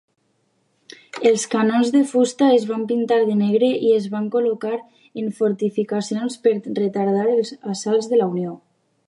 Els canons de fusta es van pintar de negre i es van col·locar en fortificacions per retardar els assalts de la Unió.